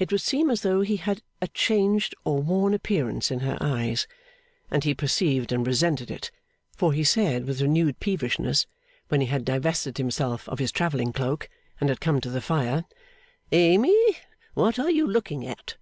It would seem as though he had a changed or worn appearance in her eyes, and he perceived and resented it; for he said with renewed peevishness, when he had divested himself of his travelling cloak, and had come to the fire: 'Amy, what are you looking at?